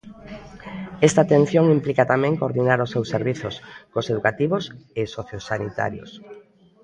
Esta atención implica tamén coordinar os seus servizos, cos educativos e sociosanitarios.